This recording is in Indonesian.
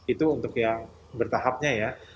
itu untuk yang bertahapnya ya